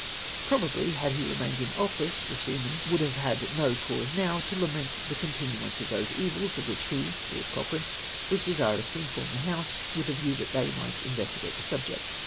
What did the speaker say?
Probably had he remained in office the seamen would have had no cause now to lament the continuance of those evils of which he (Lord Cochrane) was desirous to inform the House, with a view that they might investigate the subject.